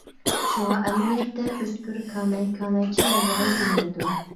شۇڭا ئەمەلىيەتتە ئۆتكۈر كاناي، كانايچە ياللۇغى دېيىلىدۇ.